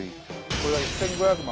これが１，５００万。